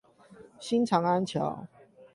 新長安橋